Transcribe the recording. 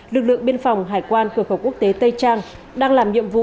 lực lượng biên phòng hải quan cửa khẩu quốc tế tây trang đang làm nhiệm vụ